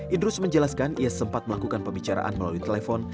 idrus menjelaskan ia sempat melakukan pembicaraan melalui telepon